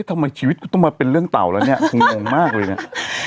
ทำไมชีวิตกูต้องมาเป็นเรื่องเต่าแล้วเนี่ยกูงงมากเลยเนี่ย